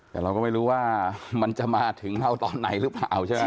แต่เราก็ไม่รู้ว่ามันจะมาถึงเราตอนไหนหรือเปล่าใช่ไหม